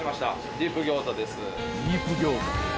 ディープ餃子です